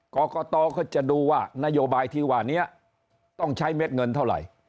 กรกตก็จะดูว่านโยบายที่ว่านี้ต้องใช้เม็ดเงินเท่าไหร่